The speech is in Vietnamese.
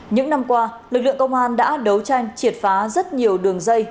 những năm qua lực lượng công an đã đấu tranh triệt phá rất nhiều đường dây